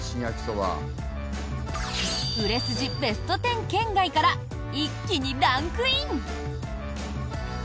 売れ筋ベスト１０圏外から一気にランクイン。